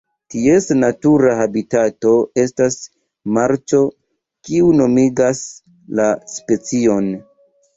Ties natura habitato estas marĉo kio nomigas la specion.